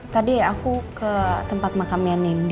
tadi aku ke tempat makamnya nih